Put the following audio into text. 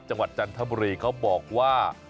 จังหวัดจันทบุรีเขาบอกว่า